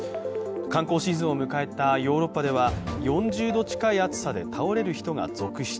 観光シーズンを迎えたヨーロッパでは、４０度近い暑さで倒れる人が続出。